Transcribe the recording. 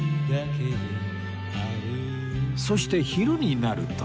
そして昼になると